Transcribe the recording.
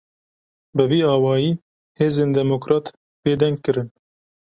Bi vî awayî, hêzên demokrat bêdeng kirin